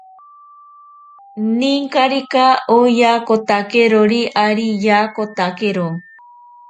Ninkarika oyatakotakerori ari yaakotakero.